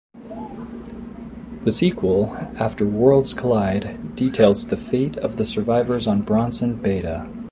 The sequel, "After Worlds Collide", details the fate of the survivors on Bronson Beta.